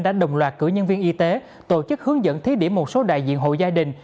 đã đồng loạt cử nhân viên y tế tổ chức hướng dẫn thí điểm một số đại diện hội gia đình